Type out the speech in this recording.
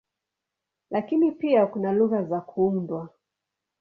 Lakini pia kuna lugha za kuundwa.